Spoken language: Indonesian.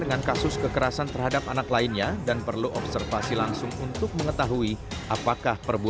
dengan kasus kekerasan terhadap anak lainnya dan perlu observasi langsung untuk mengetahui apakah